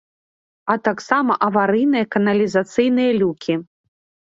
А таксама аварыйныя каналізацыйныя люкі.